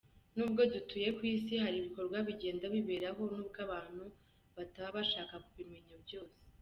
Nubwo dutuye ku isi hari ibikorwa bigenda biberaho nubwo abantu batabashaka kubimenya byose .